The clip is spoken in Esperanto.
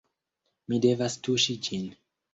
Mi devas tuŝi ĝin